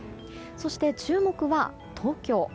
そして注目は東京。